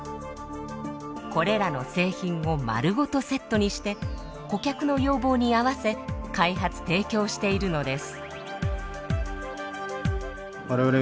これらの製品を丸ごとセットにして顧客の要望に合わせ開発提供しているのです。